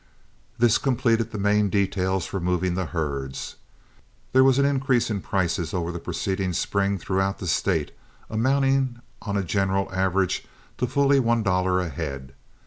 This completed the main details for moving the herds. There was an increase in prices over the preceding spring throughout the State, amounting on a general average to fully one dollar a head.